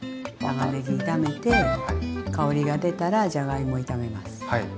長ねぎ炒めて香りが出たらじゃがいも炒めます。